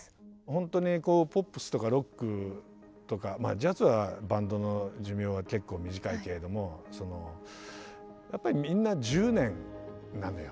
ほんとにポップスとかロックとかまあジャズはバンドの寿命が結構短いけれどもやっぱりみんな１０年なのよ。